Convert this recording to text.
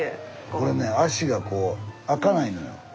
俺ね足がこう開かないのよ